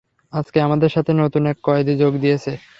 আজকে আমাদের সাথে নতুন এক কয়েদী যোগ দিয়েছে।